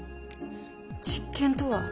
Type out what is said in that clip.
実験とは？